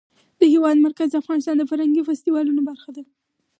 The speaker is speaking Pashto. د هېواد مرکز د افغانستان د فرهنګي فستیوالونو برخه ده.